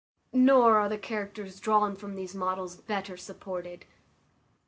Nor are the characters drawn from these models better supported.